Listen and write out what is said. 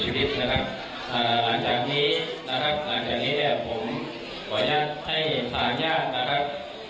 หลังจากนี้นะครับหลังจากนี้ผมขออนุญาตให้ต่างหญ้านะครับ